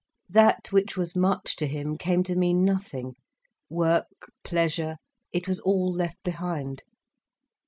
That which was much to him, came to mean nothing. Work, pleasure—it was all left behind.